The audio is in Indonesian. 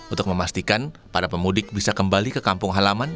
untuk memastikan para pemudik bisa kembali ke kampung halaman